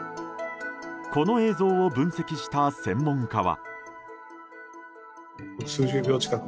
この映像を分析した専門家は。